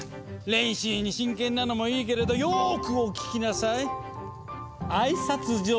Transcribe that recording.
練習に真剣なのもいいけれどよくお聞きなさい。